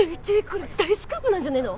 これ大スクープなんじゃねえの？